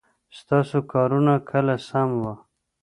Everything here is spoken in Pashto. ستاسو کارونه کله سم وه ؟